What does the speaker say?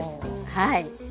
はい。